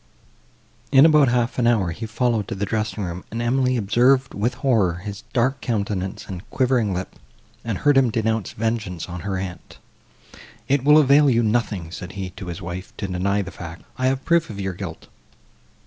In about half an hour, he followed to the dressing room; and Emily observed, with horror, his dark countenance and quivering lip, and heard him denounce vengeance on her aunt. "It will avail you nothing," said he to his wife, "to deny the fact; I have proof of your guilt.